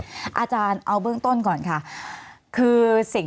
มีความรู้สึกว่ามีความรู้สึกว่า